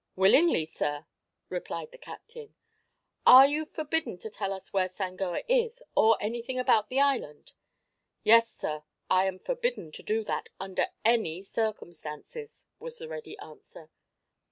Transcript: "Willingly, sir," replied the captain. "Are you forbidden to tell us where Sangoa is, or anything about the island?" "Yes, sir; I am forbidden to do that, under any circumstances," was the ready answer.